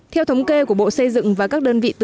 theo thống kê của bộ xây dựng và các đơn vị tư vấn